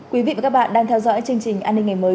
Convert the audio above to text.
quý vị và các bạn đang theo dõi chương trình an ninh ngày mới